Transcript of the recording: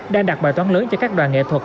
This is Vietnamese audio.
đang đặt bài toán lớn cho các đoàn nghệ thuật